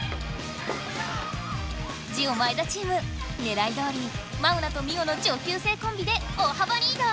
ジオ前田チームねらいどおりマウナとミオの上級生コンビで大幅リード！